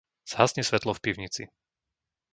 Zhasni svetlo v pivnici.